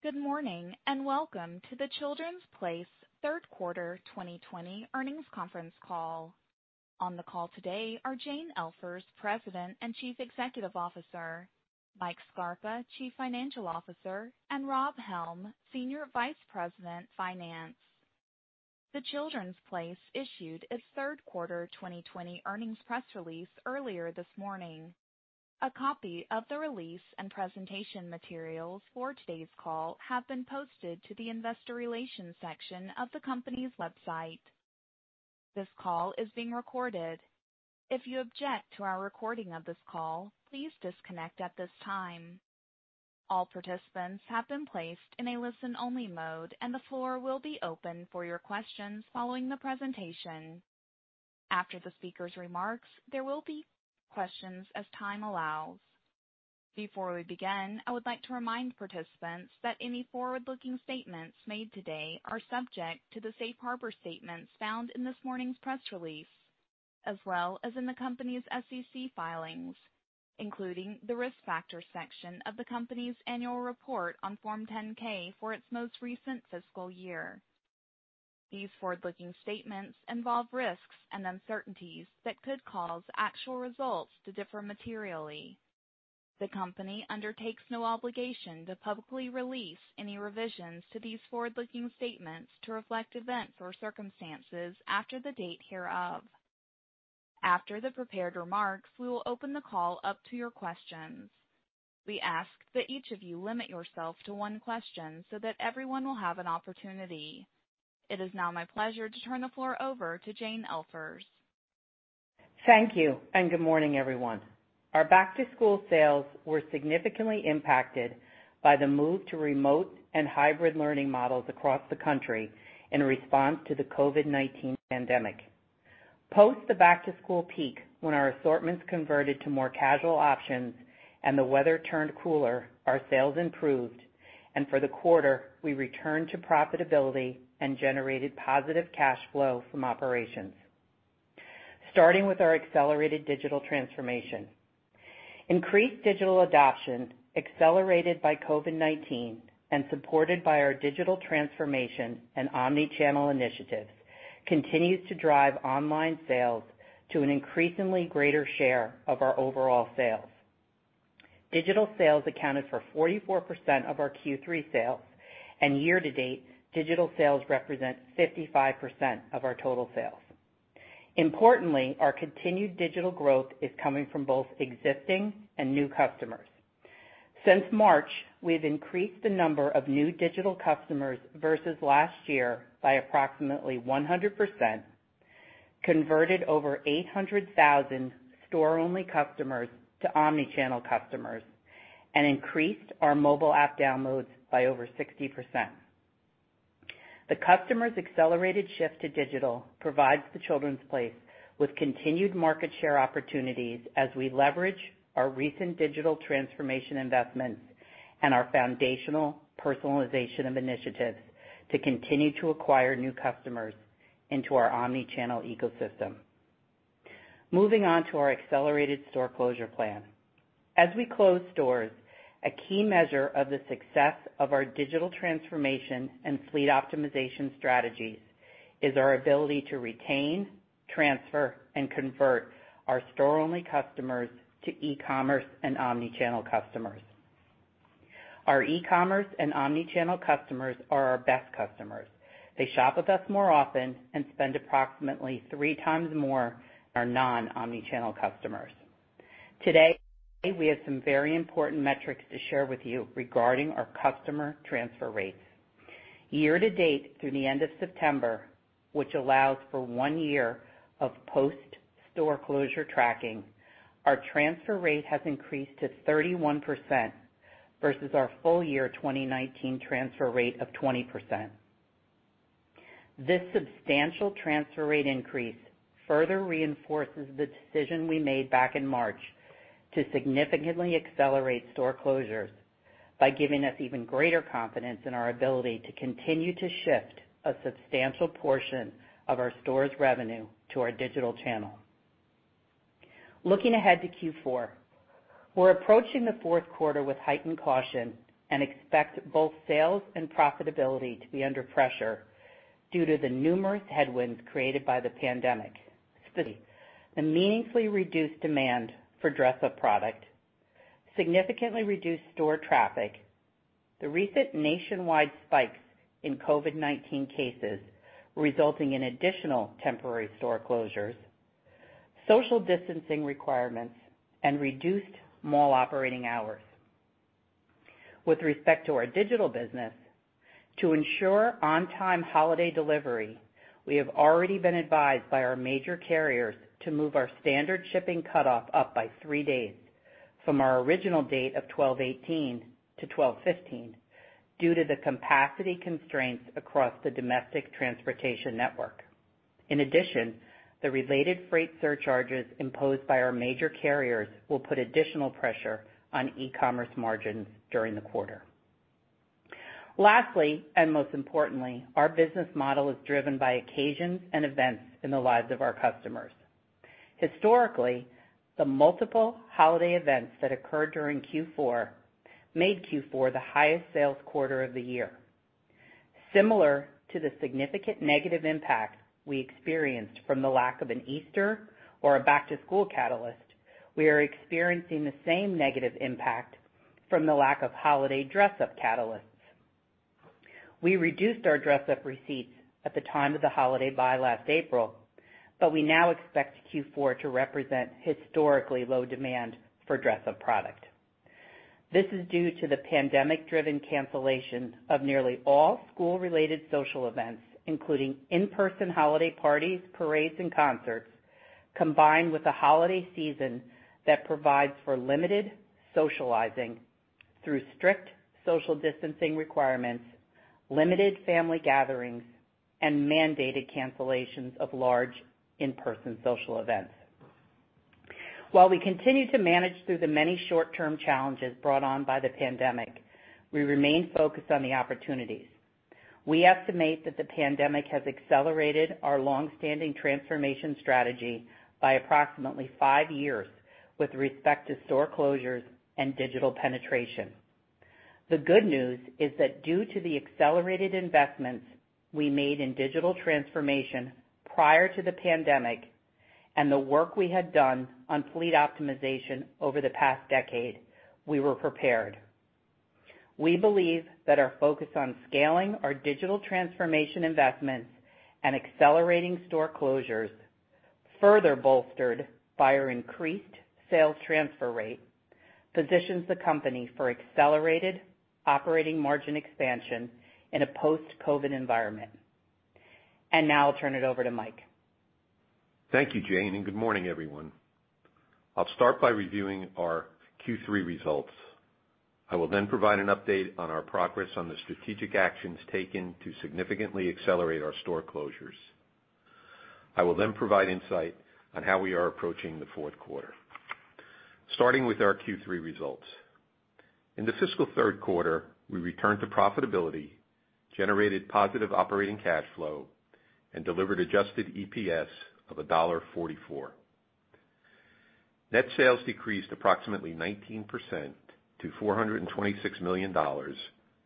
Good morning, and welcome to The Children’s Place third quarter 2020 earnings conference call. On the call today are Jane Elfers, President and Chief Executive Officer, Michael Scarpa, Chief Financial Officer, and Rob Helm, Senior Vice President, Finance. The Children’s Place issued its third quarter 2020 earnings press release earlier this morning. A copy of the release and presentation materials for today’s call have been posted to the investor relations section of the company’s website. This call is being recorded. If you object to our recording of this call, please disconnect at this time. All participants have been placed in a listen-only mode, and the floor will be open for your questions following the presentation. After the speakers' remarks, there will be questions as time allows. Before we begin, I would like to remind participants that any forward-looking statements made today are subject to the safe harbor statements found in this morning’s press release, as well as in the company’s SEC filings, including the Risk Factors section of the company’s annual report on Form 10-K for its most recent fiscal year. These forward-looking statements involve risks and uncertainties that could cause actual results to differ materially. The company undertakes no obligation to publicly release any revisions to these forward-looking statements to reflect events or circumstances after the date hereof. After the prepared remarks, we will open the call up to your questions. We ask that each of you limit yourself to one question so that everyone will have an opportunity. It is now my pleasure to turn the floor over to Jane Elfers. Thank you, and good morning, everyone. Our back-to-school sales were significantly impacted by the move to remote and hybrid learning models across the country in response to the COVID-19 pandemic. Post the back-to-school peak, when our assortments converted to more casual options and the weather turned cooler, our sales improved. For the quarter, we returned to profitability and generated positive cash flow from operations. Starting with our accelerated digital transformation. Increased digital adoption, accelerated by COVID-19 and supported by our digital transformation and omni-channel initiatives, continues to drive online sales to an increasingly greater share of our overall sales. Digital sales accounted for 44% of our Q3 sales, and year to date, digital sales represent 55% of our total sales. Importantly, our continued digital growth is coming from both existing and new customers. Since March, we have increased the number of new digital customers versus last year by approximately 100%, converted over 800,000 store-only customers to omni-channel customers, and increased our mobile app downloads by over 60%. The customers’ accelerated shift to digital provides The Children’s Place with continued market share opportunities as we leverage our recent digital transformation investments and our foundational personalization of initiatives to continue to acquire new customers into our omni-channel ecosystem. Moving on to our accelerated store closure plan. As we close stores, a key measure of the success of our digital transformation and fleet optimization strategies is our ability to retain, transfer, and convert our store-only customers to e-commerce and omni-channel customers. Our e-commerce and omni-channel customers are our best customers. They shop with us more often and spend approximately three times more than our non-omni-channel customers. Today, we have some very important metrics to share with you regarding our customer transfer rates. Year to date through the end of September, which allows for one year of post-store closure tracking, our transfer rate has increased to 31% versus our full year 2019 transfer rate of 20%. This substantial transfer rate increase further reinforces the decision we made back in March to significantly accelerate store closures by giving us even greater confidence in our ability to continue to shift a substantial portion of our stores’ revenue to our digital channel. Looking ahead to Q4. We’re approaching the fourth quarter with heightened caution and expect both sales and profitability to be under pressure due to the numerous headwinds created by the pandemic. Specifically, the meaningfully reduced demand for dress-up product, significantly reduced store traffic, the recent nationwide spikes in COVID-19 cases resulting in additional temporary store closures, social distancing requirements, and reduced mall operating hours. With respect to our digital business, to ensure on-time holiday delivery, we have already been advised by our major carriers to move our standard shipping cutoff up by three days from our original date of 12/18 to 12/15 due to the capacity constraints across the domestic transportation network. In addition, the related freight surcharges imposed by our major carriers will put additional pressure on e-commerce margins during the quarter. Lastly, and most importantly, our business model is driven by occasions and events in the lives of our customers. Historically, the multiple holiday events that occurred during Q4 made Q4 the highest sales quarter of the year. Similar to the significant negative impact we experienced from the lack of an Easter or a back-to-school catalyst, we are experiencing the same negative impact from the lack of holiday dress-up catalysts. We reduced our dress-up receipts at the time of the holiday buy last April, but we now expect Q4 to represent historically low demand for dress-up product. This is due to the pandemic-driven cancellation of nearly all school-related social events, including in-person holiday parties, parades, and concerts, combined with a holiday season that provides for limited socializing through strict social distancing requirements, limited family gatherings, and mandated cancellations of large in-person social events. While we continue to manage through the many short-term challenges brought on by the pandemic, we remain focused on the opportunities. We estimate that the pandemic has accelerated our long-standing transformation strategy by approximately five years with respect to store closures and digital penetration. The good news is that due to the accelerated investments we made in digital transformation prior to the pandemic and the work we had done on fleet optimization over the past decade, we were prepared. We believe that our focus on scaling our digital transformation investments and accelerating store closures, further bolstered by our increased sales transfer rate, positions the company for accelerated operating margin expansion in a post-COVID environment. Now I'll turn it over to Mike. Thank you, Jane, and good morning, everyone. I'll start by reviewing our Q3 results. I will then provide an update on our progress on the strategic actions taken to significantly accelerate our store closures. I will provide insight on how we are approaching the fourth quarter. Starting with our Q3 results. In the fiscal third quarter, we returned to profitability, generated positive operating cash flow, and delivered adjusted EPS of $1.44. Net sales decreased approximately 19% to $426 million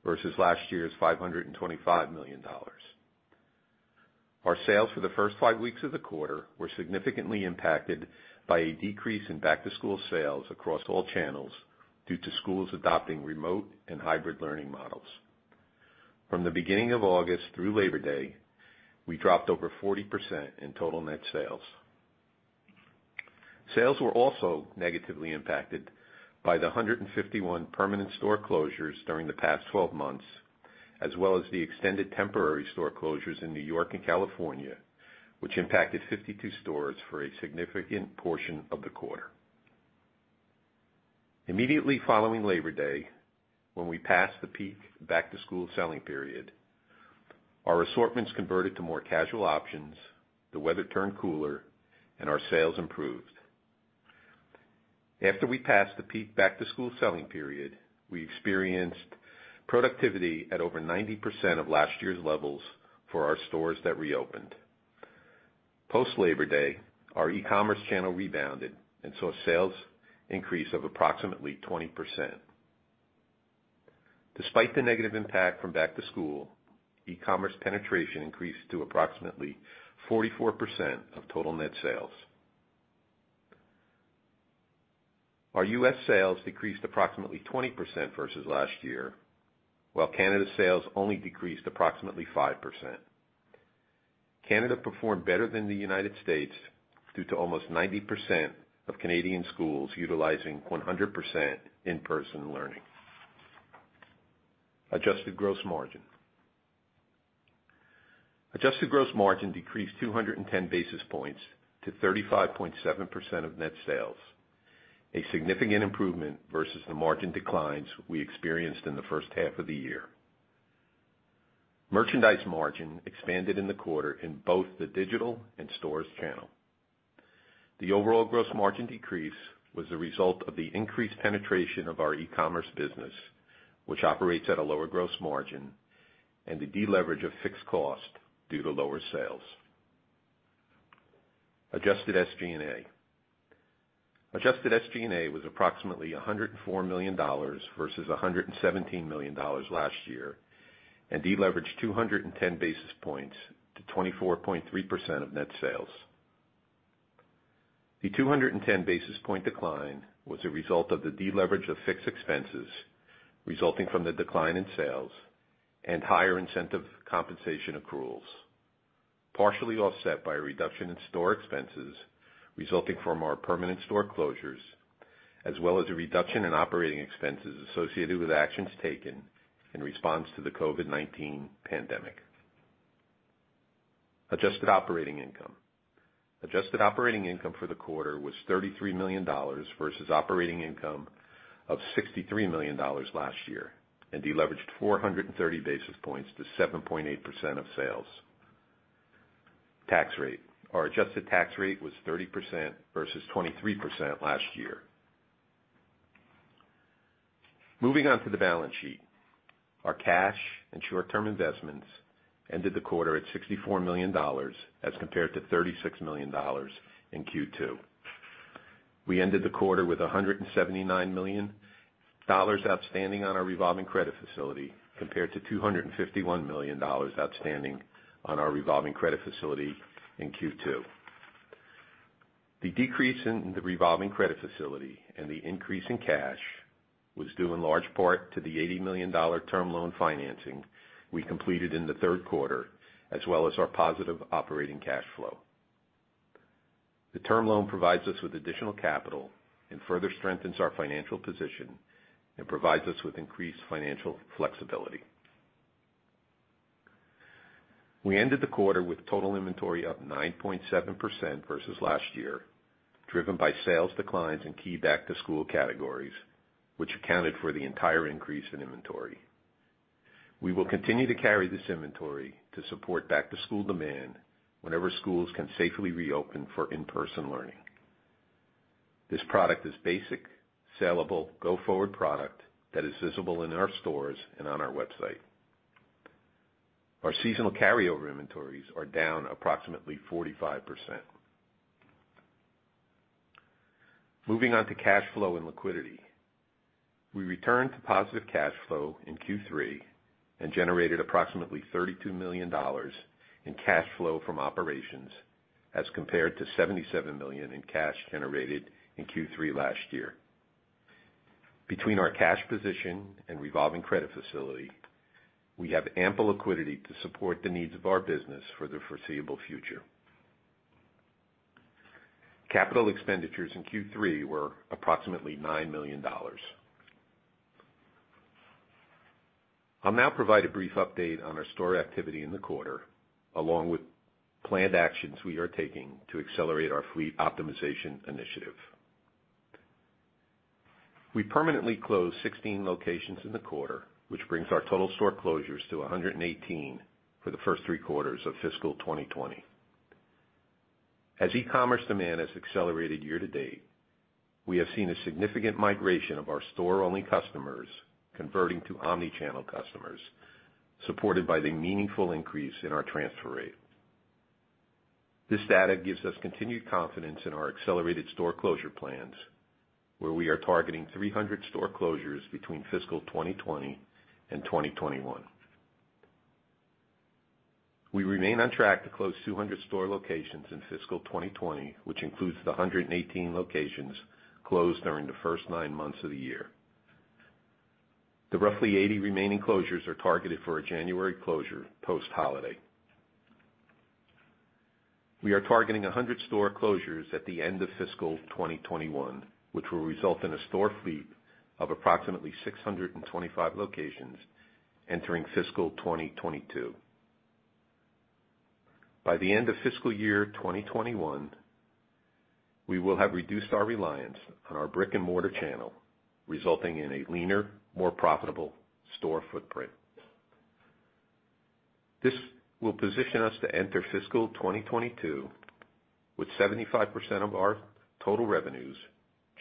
versus last year's $525 million. Our sales for the first five weeks of the quarter were significantly impacted by a decrease in back-to-school sales across all channels due to schools adopting remote and hybrid learning models. From the beginning of August through Labor Day, we dropped over 40% in total net sales. Sales were also negatively impacted by the 151 permanent store closures during the past 12 months, as well as the extended temporary store closures in New York and California, which impacted 52 stores for a significant portion of the quarter. Immediately following Labor Day, when we passed the peak back-to-school selling period, our assortments converted to more casual options, the weather turned cooler, and our sales improved. After we passed the peak back-to-school selling period, we experienced productivity at over 90% of last year's levels for our stores that reopened. Post Labor Day, our e-commerce channel rebounded and saw sales increase of approximately 20%. Despite the negative impact from back to school, e-commerce penetration increased to approximately 44% of total net sales. Our U.S. sales decreased approximately 20% versus last year, while Canada sales only decreased approximately 5%. Canada performed better than the U.S. due to almost 90% of Canadian schools utilizing 100% in-person learning. Adjusted gross margin. Adjusted gross margin decreased 210 basis points to 35.7% of net sales, a significant improvement versus the margin declines we experienced in the first half of the year. Merchandise margin expanded in the quarter in both the digital and stores channel. The overall gross margin decrease was the result of the increased penetration of our e-commerce business, which operates at a lower gross margin, and the deleverage of fixed cost due to lower sales. Adjusted SG&A. Adjusted SG&A was approximately $104 million versus $117 million last year, and deleveraged 210 basis points to 24.3% of net sales. The 210 basis point decline was a result of the deleverage of fixed expenses resulting from the decline in sales and higher incentive compensation accruals, partially offset by a reduction in store expenses resulting from our permanent store closures, as well as a reduction in operating expenses associated with actions taken in response to the COVID-19 pandemic. Adjusted operating income. Adjusted operating income for the quarter was $33 million versus operating income of $63 million last year. Deleveraged 430 basis points to 7.8% of sales. Tax rate. Our adjusted tax rate was 30% versus 23% last year. Moving on to the balance sheet. Our cash and short-term investments ended the quarter at $64 million as compared to $36 million in Q2. We ended the quarter with $179 million outstanding on our revolving credit facility, compared to $251 million outstanding on our revolving credit facility in Q2. The decrease in the revolving credit facility and the increase in cash was due in large part to the $80 million term loan financing we completed in the third quarter, as well as our positive operating cash flow. The term loan provides us with additional capital and further strengthens our financial position and provides us with increased financial flexibility. We ended the quarter with total inventory up 9.7% versus last year, driven by sales declines in key back-to-school categories, which accounted for the entire increase in inventory. We will continue to carry this inventory to support back-to-school demand whenever schools can safely reopen for in-person learning. This product is basic, sellable, go-forward product that is visible in our stores and on our website. Our seasonal carryover inventories are down approximately 45%. Moving on to cash flow and liquidity. We returned to positive cash flow in Q3 and generated approximately $32 million in cash flow from operations as compared to $77 million in cash generated in Q3 last year. Between our cash position and revolving credit facility, we have ample liquidity to support the needs of our business for the foreseeable future. Capital expenditures in Q3 were approximately $9 million. I'll now provide a brief update on our store activity in the quarter, along with planned actions we are taking to accelerate our fleet optimization initiative. We permanently closed 16 locations in the quarter, which brings our total store closures to 118 for the first three quarters of fiscal 2020. As e-commerce demand has accelerated year to date, we have seen a significant migration of our store-only customers converting to omni-channel customers, supported by the meaningful increase in our transfer rate. This data gives us continued confidence in our accelerated store closure plans, where we are targeting 300 store closures between fiscal 2020 and 2021. We remain on track to close 200 store locations in fiscal 2020, which includes the 118 locations closed during the first nine months of the year. The roughly 80 remaining closures are targeted for a January closure post-holiday. We are targeting 100 store closures at the end of fiscal 2021, which will result in a store fleet of approximately 625 locations entering fiscal 2022. By the end of fiscal year 2021, we will have reduced our reliance on our brick-and-mortar channel, resulting in a leaner, more profitable store footprint. This will position us to enter fiscal 2022 with 75% of our total revenues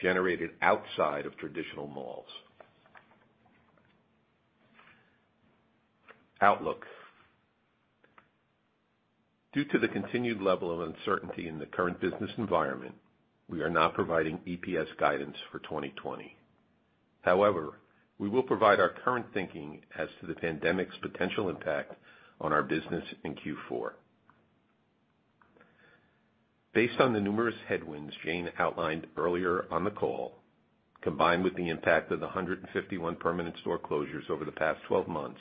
generated outside of traditional malls. Outlook. Due to the continued level of uncertainty in the current business environment, we are not providing EPS guidance for 2020. However, we will provide our current thinking as to the pandemic's potential impact on our business in Q4. Based on the numerous headwinds Jane outlined earlier on the call, combined with the impact of the 151 permanent store closures over the past 12 months,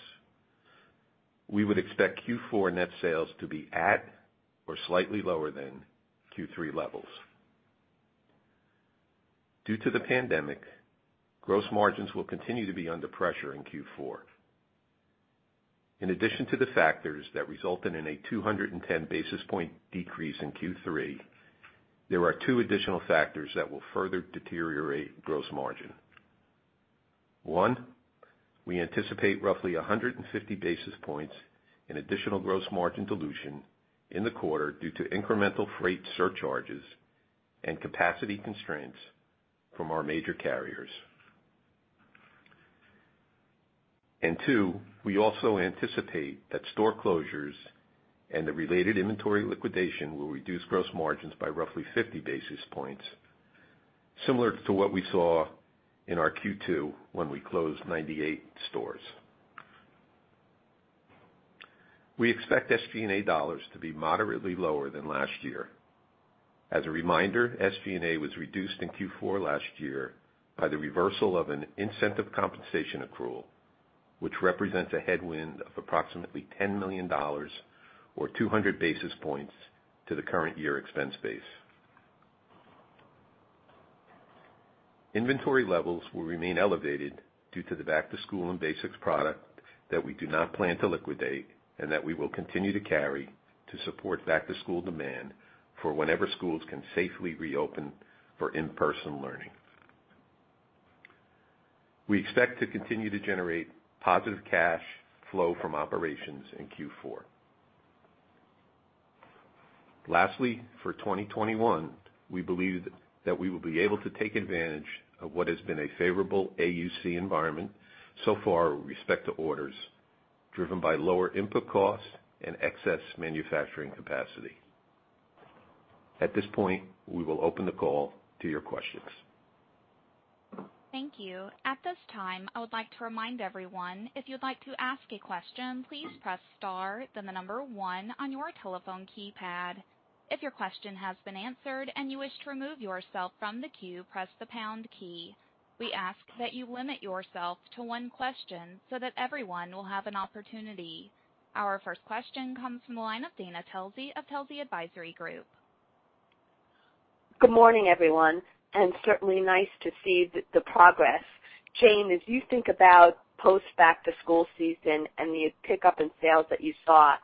we would expect Q4 net sales to be at or slightly lower than Q3 levels. Due to the pandemic, gross margins will continue to be under pressure in Q4. In addition to the factors that resulted in a 210-basis-point decrease in Q3, there are two additional factors that will further deteriorate gross margin. One, we anticipate roughly 150 basis points in additional gross margin dilution in the quarter due to incremental freight surcharges and capacity constraints from our major carriers. Two, we also anticipate that store closures and the related inventory liquidation will reduce gross margins by roughly 50 basis points, similar to what we saw in our Q2 when we closed 98 stores. We expect SG&A dollars to be moderately lower than last year. As a reminder, SG&A was reduced in Q4 last year by the reversal of an incentive compensation accrual, which represents a headwind of approximately $10 million or 200 basis points to the current year expense base. Inventory levels will remain elevated due to the back to school and basics product that we do not plan to liquidate and that we will continue to carry to support back-to-school demand for whenever schools can safely reopen for in-person learning. We expect to continue to generate positive cash flow from operations in Q4. Lastly, for 2021, we believe that we will be able to take advantage of what has been a favorable AUC environment so far with respect to orders driven by lower input costs and excess manufacturing capacity. At this point, we will open the call to your questions. Thank you. At this time, I would like to remind everyone, if you'd like to ask a question, please press star, then the number one on your telephone keypad. If your question has been answered and you wish to remove yourself from the queue, press the pound key. We ask that you limit yourself to one question so that everyone will have an opportunity. Our first question comes from the line of Dana Telsey of Telsey Advisory Group. Good morning, everyone, and certainly nice to see the progress. Jane, as you think about post back to school season and the pickup in sales that you saw,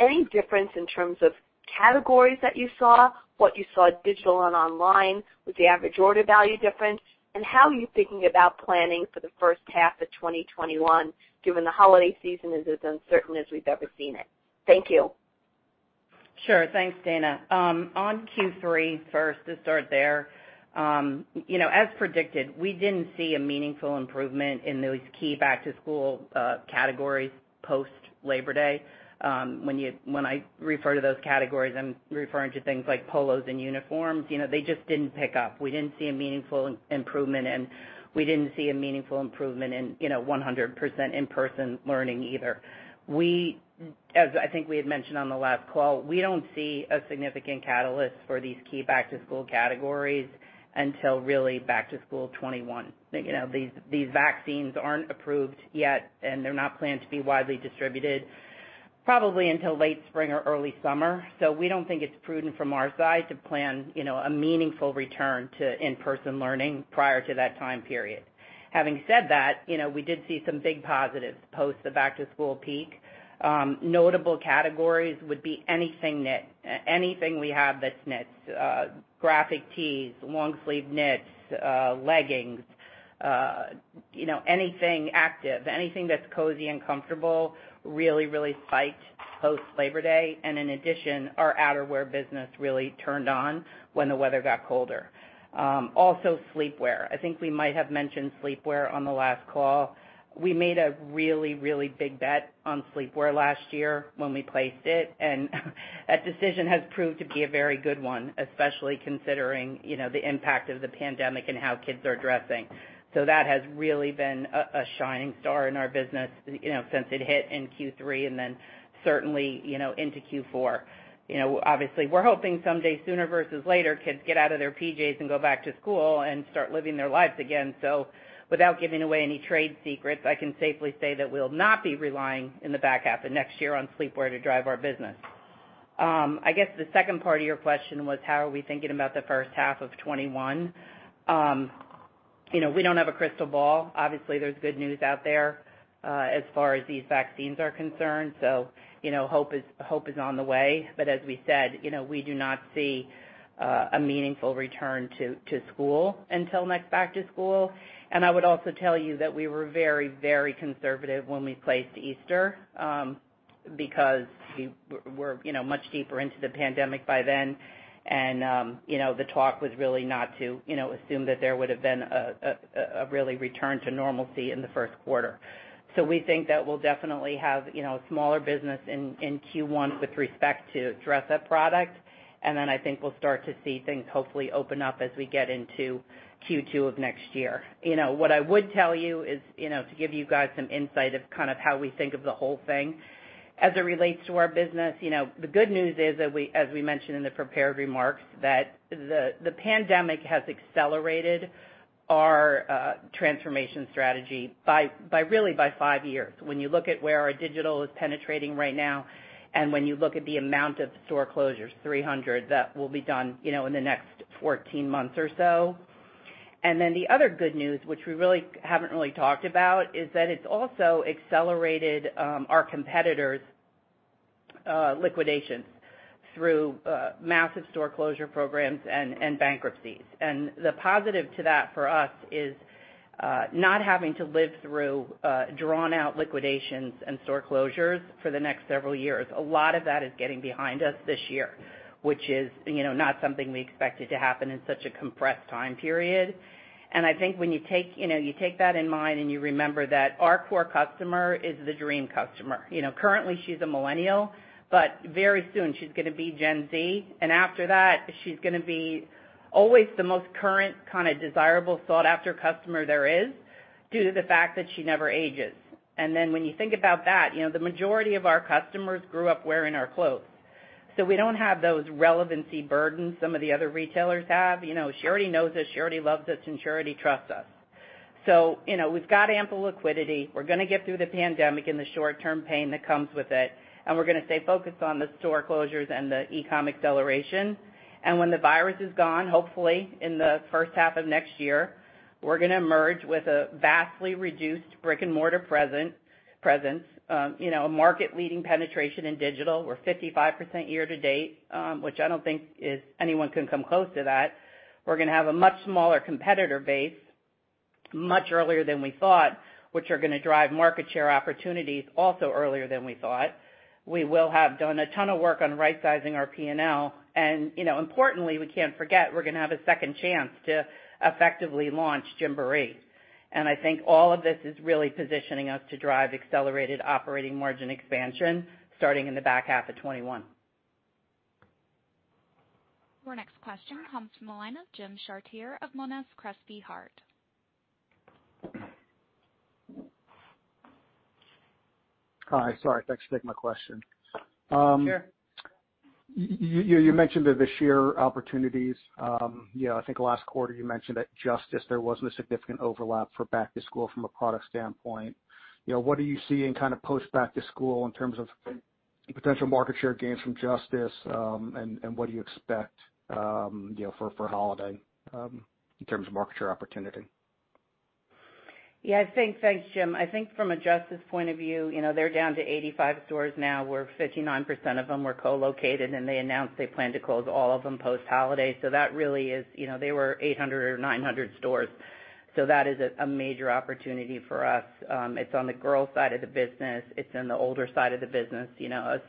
any difference in terms of categories that you saw? What you saw digital and online? Was the average order value different? How are you thinking about planning for the first half of 2021 given the holiday season is as uncertain as we've ever seen it? Thank you. Sure. Thanks, Dana. On Q3 first, to start there. As predicted, we didn't see a meaningful improvement in those key back to school categories post Labor Day. When I refer to those categories, I'm referring to things like polos and uniforms. They just didn't pick up. We didn't see a meaningful improvement, and we didn't see a meaningful improvement in 100% in-person learning either. As I think we had mentioned on the last call, we don't see a significant catalyst for these key back to school categories until really back to school 2021. These vaccines aren't approved yet, and they're not planned to be widely distributed probably until late spring or early summer. We don't think it's prudent from our side to plan a meaningful return to in-person learning prior to that time period. Having said that, we did see some big positives post the back to school peak. Notable categories would be anything knit, anything we have that's knit. Graphic tees, long sleeve knits, leggings. Anything active, anything that's cozy and comfortable really spiked post Labor Day. In addition, our outerwear business really turned on when the weather got colder. Also sleepwear. I think we might have mentioned sleepwear on the last call. We made a really big bet on sleepwear last year when we placed it, and that decision has proved to be a very good one, especially considering the impact of the pandemic and how kids are dressing. That has really been a shining star in our business since it hit in Q3, and then certainly, into Q4. Obviously, we're hoping someday sooner versus later, kids get out of their PJs and go back to school and start living their lives again. Without giving away any trade secrets, I can safely say that we'll not be relying in the back half of next year on sleepwear to drive our business. I guess the second part of your question was how are we thinking about the first half of 2021. We don't have a crystal ball. Obviously, there's good news out there, as far as these vaccines are concerned. Hope is on the way. As we said, we do not see a meaningful return to school until next back to school. I would also tell you that we were very conservative when we placed Easter, because we're much deeper into the pandemic by then. The talk was really not to assume that there would've been a really return to normalcy in the first quarter. We think that we'll definitely have a smaller business in Q1 with respect to dress up product. I think we'll start to see things hopefully open up as we get into Q2 of next year. What I would tell you is, to give you guys some insight of kind of how we think of the whole thing as it relates to our business. The good news is that as we mentioned in the prepared remarks, that the pandemic has accelerated our transformation strategy really by five years. When you look at where our digital is penetrating right now, and when you look at the amount of store closures, 300 that will be done in the next 14 months or so. The other good news, which we really haven't really talked about, is that it's also accelerated our competitors' liquidations through massive store closure programs and bankruptcies. The positive to that for us is, not having to live through drawn out liquidations and store closures for the next several years. A lot of that is getting behind us this year, which is not something we expected to happen in such a compressed time period. I think when you take that in mind and you remember that our core customer is the dream customer. Currently, she's a millennial, but very soon she's gonna be Gen Z. After that, she's gonna be always the most current, kind of desirable, sought-after customer there is due to the fact that she never ages. When you think about that, the majority of our customers grew up wearing our clothes. We don't have those relevancy burdens some of the other retailers have. She already knows us, she already loves us, and she already trusts us. We've got ample liquidity. We're gonna get through the pandemic and the short-term pain that comes with it, and we're gonna stay focused on the store closures and the e-com acceleration. When the virus is gone, hopefully in the first half of next year, we're gonna emerge with a vastly reduced brick and mortar presence, a market leading penetration in digital. We're 55% year to date, which I don't think anyone can come close to that. We're gonna have a much smaller competitor base much earlier than we thought, which are going to drive market share opportunities also earlier than we thought. We will have done a ton of work on rightsizing our P&L. Importantly, we can't forget, we're going to have a second chance to effectively launch Gymboree. I think all of this is really positioning us to drive accelerated operating margin expansion, starting in the back half of 2021. Your next question comes from the line of Jim Chartier of Monness, Crespi, Hardt. Hi. Sorry. Thanks for taking my question. Sure. You mentioned the sheer opportunities. I think last quarter you mentioned at Justice, there wasn't a significant overlap for back to school from a product standpoint. What are you seeing kind of post back to school in terms of potential market share gains from Justice, and what do you expect for holiday, in terms of market share opportunity? Yeah. Thanks, Jim. I think from a Justice point of view, they're down to 85 stores now, where 59% of them were co-located, and they announced they plan to close all of them post holiday. They were 800 or 900 stores. That is a major opportunity for us. It's on the girls' side of the business. It's in the older side of the business,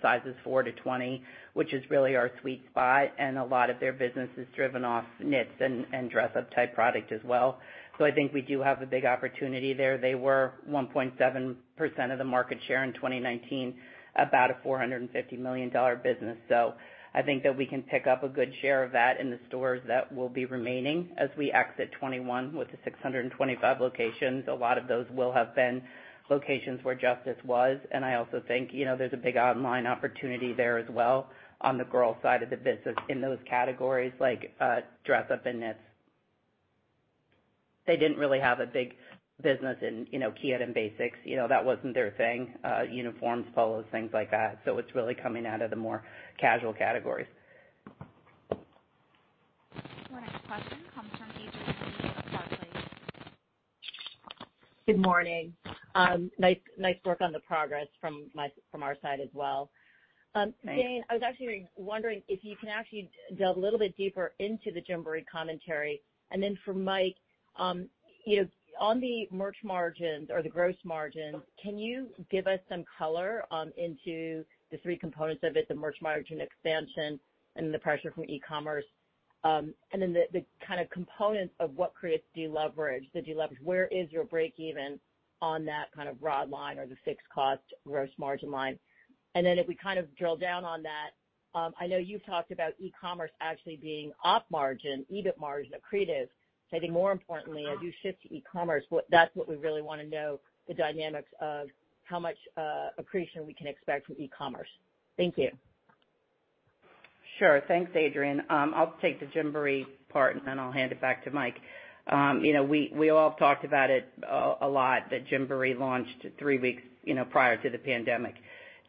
sizes 4-20, which is really our sweet spot. A lot of their business is driven off knits and dress up type product as well. I think we do have a big opportunity there. They were 1.7% of the market share in 2019, about a $450 million business. I think that we can pick up a good share of that in the stores that will be remaining as we exit 2021 with the 625 locations. A lot of those will have been locations where Justice was, and I also think, there's a big online opportunity there as well on the girls' side of the business in those categories, like dress up and knits. They didn't really have a big business in kid and basics. That wasn't their thing. Uniforms, polos, things like that. It's really coming out of the more casual categories. Your next question comes from Adrienne Yih from Barclays. Good morning. Nice work on the progress from our side as well. Thanks. Jane, I was actually wondering if you can actually delve a little bit deeper into the Gymboree commentary, then for Mike, on the merch margins or the gross margins, can you give us some color into the three components of it, the merch margin expansion and the pressure from e-commerce, and then the kind of components of what creates deleverage. Where is your breakeven on that kind of broad line or the fixed cost gross margin line? If we kind of drill down on that, I know you've talked about e-commerce actually being off margin, EBIT margin accretive. I think more importantly, as you shift to e-commerce, that's what we really want to know, the dynamics of how much accretion we can expect from e-commerce. Thank you. Sure. Thanks, Adrienne. I'll take the Gymboree part and then I'll hand it back to Mike. We all talked about it a lot that Gymboree launched three weeks prior to the pandemic.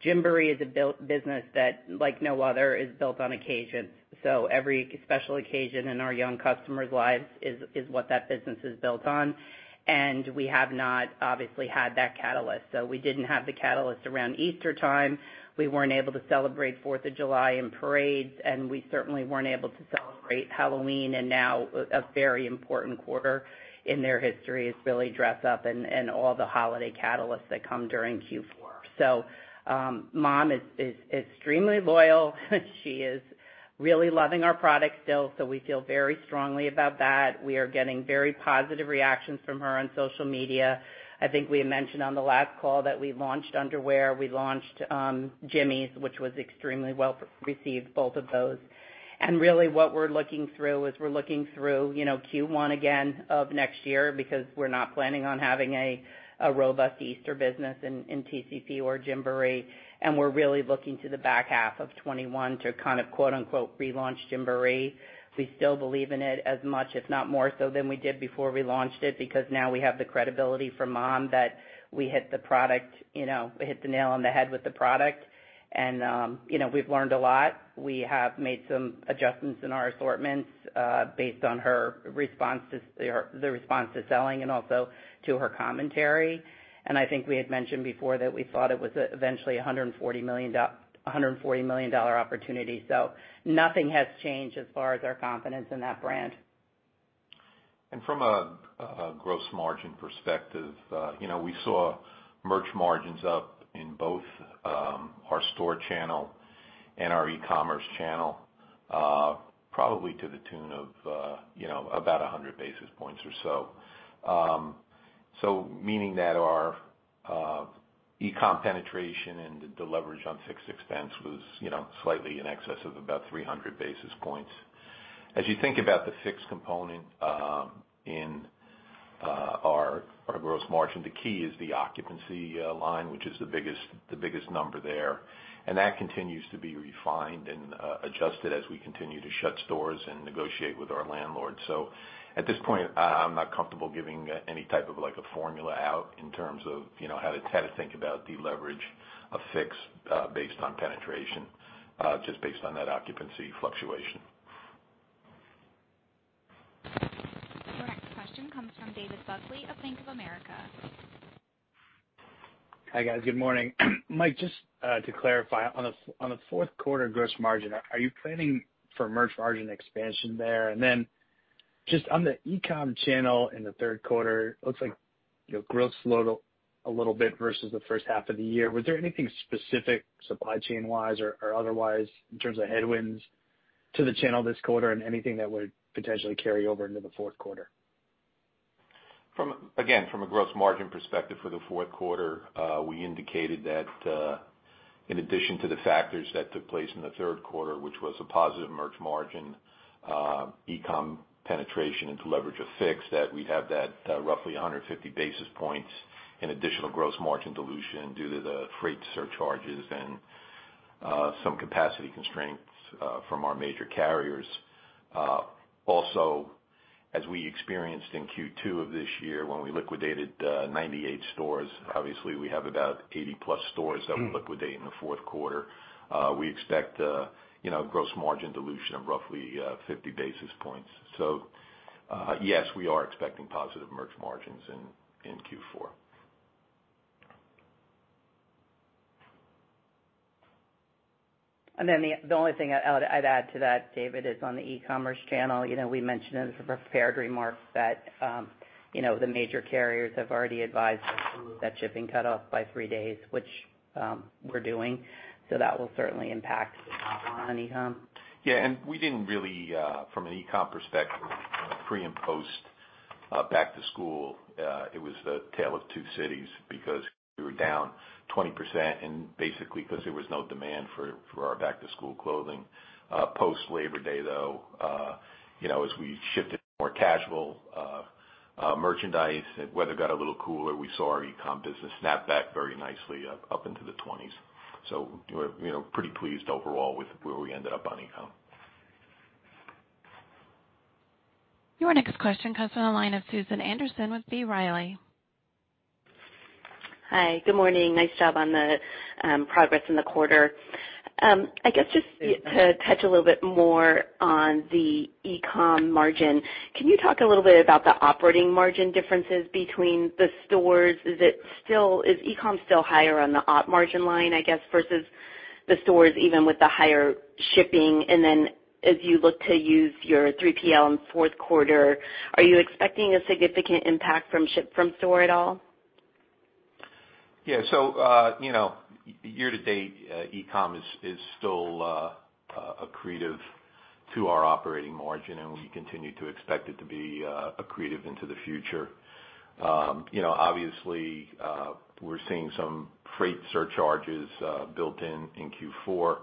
Gymboree is a business that, like no other, is built on occasions. Every special occasion in our young customers' lives is what that business is built on, and we have not obviously had that catalyst. We didn't have the catalyst around Easter time. We weren't able to celebrate 4th of July in parades, and we certainly weren't able to celebrate Halloween. Now a very important quarter in their history is really dress up and all the holiday catalysts that come during Q4. Mom is extremely loyal. She is really loving our product still, so we feel very strongly about that. We are getting very positive reactions from her on social media. I think we had mentioned on the last call that we launched underwear. We launched Gymmies, which was extremely well received, both of those. Really what we're looking through is we're looking through Q1 again of next year because we're not planning on having a robust Easter business in TCP or Gymboree, and we're really looking to the back half of 2021 to kind of quote unquote, "Relaunch Gymboree." We still believe in it as much, if not more so than we did before we launched it, because now we have the credibility from mom that we hit the nail on the head with the product. We've learned a lot. We have made some adjustments in our assortments, based on the response to selling and also to her commentary. I think we had mentioned before that we thought it was eventually a $140 million opportunity. Nothing has changed as far as our confidence in that brand. From a gross margin perspective, we saw merch margins up in both our store channel and our e-commerce channel, probably to the tune of about 100 basis points or so. Meaning that our e-com penetration and the leverage on fixed expense was slightly in excess of about 300 basis points. As you think about the fixed component in our gross margin, the key is the occupancy line, which is the biggest number there. That continues to be refined and adjusted as we continue to shut stores and negotiate with our landlords. At this point, I'm not comfortable giving any type of a formula out in terms of how to think about deleverage of fixed based on penetration, just based on that occupancy fluctuation. Your next question comes from David Buckley of Bank of America Hi, guys. Good morning. Mike, just to clarify on the fourth quarter gross margin, are you planning for merch margin expansion there? Then just on the e-com channel in the third quarter, looks like growth slowed a little bit versus the first half of the year. Was there anything specific supply chain wise or otherwise in terms of headwinds to the channel this quarter and anything that would potentially carry over into the fourth quarter? Again, from a gross margin perspective for the fourth quarter, we indicated that in addition to the factors that took place in the third quarter, which was a positive merch margin, e-com penetration into leverage fixed, that we'd have that roughly 150 basis points in additional gross margin dilution due to the freight surcharges and some capacity constraints from our major carriers. As we experienced in Q2 of this year when we liquidated 98 stores, obviously, we have about 80+ stores that we liquidate in the fourth quarter. We expect gross margin dilution of roughly 50 basis points. Yes, we are expecting positive merch margins in Q4. The only thing I'd add to that, David, is on the e-commerce channel. We mentioned in the prepared remarks that the major carriers have already advised us that shipping cut off by three days, which we're doing. That will certainly impact on e-com. We didn't really, from an e-com perspective, pre and post back to school, it was the tale of two cities because we were down 20% and basically because there was no demand for our back to school clothing. Post Labor Day, though, as we shifted more casual merchandise and weather got a little cooler, we saw our e-com business snap back very nicely up into the 20s. We're pretty pleased overall with where we ended up on e-com. Your next question comes on the line of Susan Anderson with B. Riley. Hi. Good morning. Nice job on the progress in the quarter. I guess just to touch a little bit more on the e-com margin, can you talk a little bit about the operating margin differences between the stores? Is e-com still higher on the op margin line, I guess, versus the stores even with the higher shipping? As you look to use your 3PL in fourth quarter, are you expecting a significant impact from ship from store at all? Yeah. Year-to-date, e-com is still accretive to our operating margin, and we continue to expect it to be accretive into the future. Obviously, we're seeing some freight surcharges built in in Q4,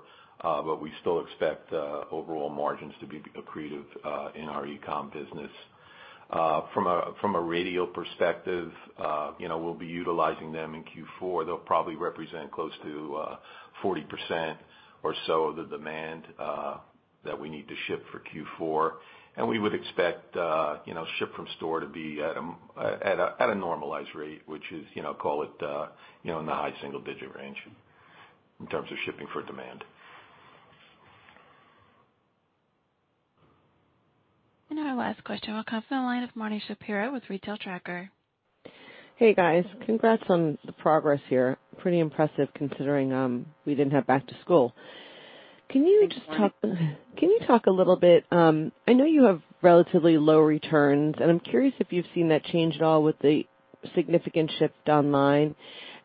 we still expect overall margins to be accretive in our e-com business. From a Radial perspective, we'll be utilizing them in Q4. They'll probably represent close to 40% or so of the demand that we need to ship for Q4. We would expect ship from store to be at a normalized rate, which is, call it, in the high single digit range in terms of shipping for demand. Our last question will come from the line of Marni Shapiro with The Retail Tracker. Hey, guys. Congrats on the progress here. Pretty impressive considering we didn't have back to school. Thanks, Marni. Can you talk a little bit, I know you have relatively low returns, and I'm curious if you've seen that change at all with the significant shift online.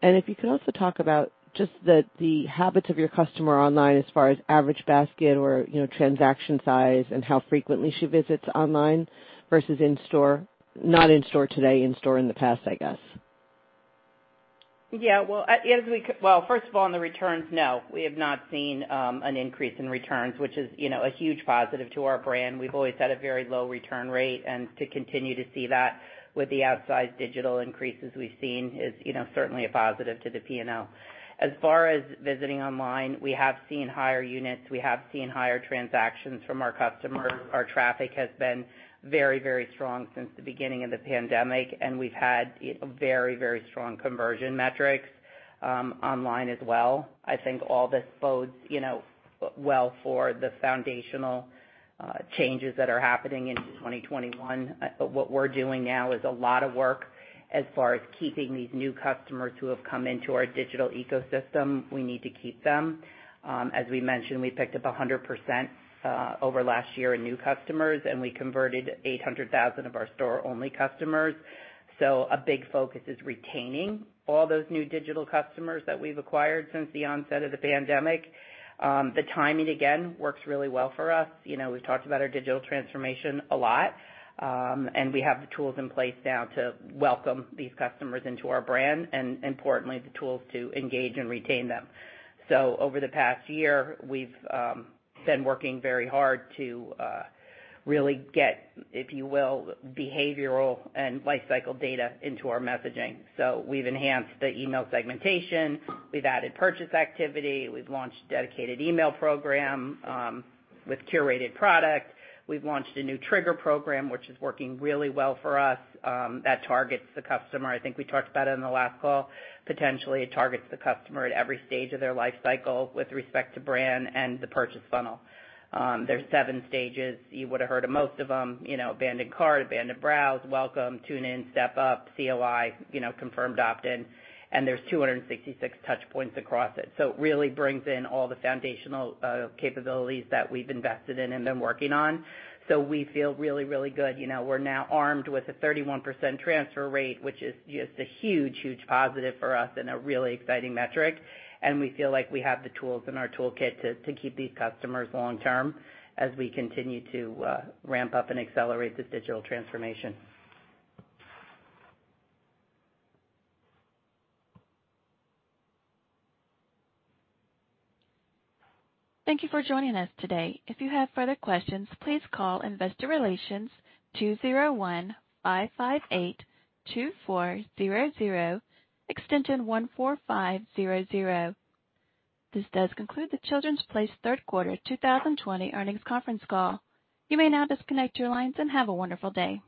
If you could also talk about just the habits of your customer online as far as average basket or transaction size and how frequently she visits online versus in store, not in store today, in store in the past, I guess. Well, first of all, on the returns, no. We have not seen an increase in returns, which is a huge positive to our brand. We've always had a very low return rate, and to continue to see that with the outsized digital increases we've seen is certainly a positive to the P&L. As far as visiting online, we have seen higher units. We have seen higher transactions from our customers. Our traffic has been very, very strong since the beginning of the pandemic, and we've had very, very strong conversion metrics online as well. I think all this bodes well for the foundational changes that are happening into 2021. What we're doing now is a lot of work as far as keeping these new customers who have come into our digital ecosystem. We need to keep them. As we mentioned, we picked up 100% over last year in new customers, and we converted 800,000 of our store only customers. A big focus is retaining all those new digital customers that we've acquired since the onset of the pandemic. The timing, again, works really well for us. We've talked about our digital transformation a lot. We have the tools in place now to welcome these customers into our brand and importantly, the tools to engage and retain them. Over the past year, we've been working very hard to really get, if you will, behavioral and life cycle data into our messaging. We've enhanced the email segmentation. We've added purchase activity. We've launched dedicated email program with curated product. We've launched a new trigger program, which is working really well for us that targets the customer. I think we talked about it in the last call. Potentially, it targets the customer at every stage of their life cycle with respect to brand and the purchase funnel. There's seven stages. You would have heard of most of them, abandoned cart, abandoned browse, welcome, tune in, step up, COI, confirmed opt-in, and there's 266 touch points across it. It really brings in all the foundational capabilities that we've invested in and been working on. We feel really, really good. We're now armed with a 31% transfer rate, which is just a huge, huge positive for us and a really exciting metric, and we feel like we have the tools in our toolkit to keep these customers long term as we continue to ramp up and accelerate this digital transformation. Thank you for joining us today. If you have further questions, please call investor relations, 201-558-2400, extension 14500. This does conclude The Children's Place Third Quarter 2020 Earnings Conference Call. You may now disconnect your lines and have a wonderful day.